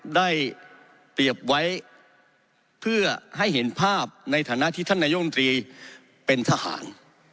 ได้เปรียบไว้เพื่อให้เห็นภาพในฐานะที่ท่านนายมตรีเป็นทหาร